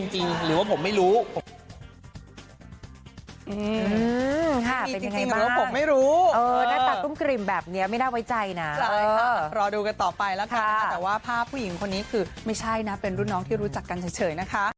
เฮียบอยเฮียบอยยังไม่มีเลย